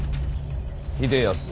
秀康